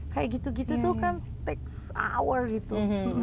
kayak gitu gitu tuh kan tax hour gitu